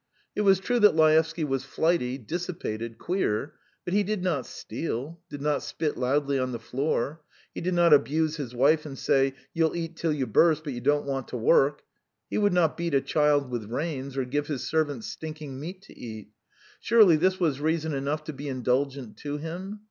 It was true that Laevsky was flighty, dissipated, queer, but he did not steal, did not spit loudly on the floor; he did not abuse his wife and say, "You'll eat till you burst, but you don't want to work;" he would not beat a child with reins, or give his servants stinking meat to eat surely this was reason enough to be indulgent to him?